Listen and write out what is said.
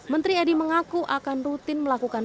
menteri edy mengaku akan rutin melakukan belusan